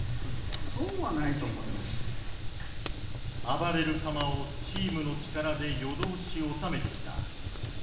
暴れる釜をチームの力で夜通し収めてきた。